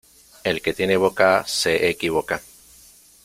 El que tiene boca se equivoca.